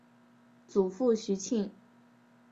祖父徐庆。